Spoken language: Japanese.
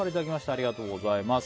ありがとうございます。